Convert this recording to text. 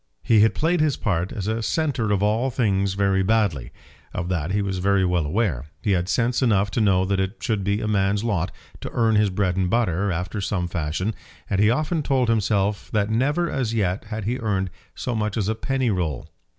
He had played his part as a centre of all things very badly. Of that he was very well aware. He had sense enough to know that it should be a man's lot to earn his bread after some fashion, and he often told himself that never as yet had he earned so much as a penny roll.